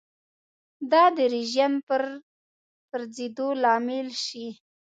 دا د رژیم د پرځېدو لامل شي.